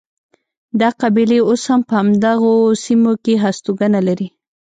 دا قبیلې اوس هم په همدغو سیمو کې هستوګنه لري.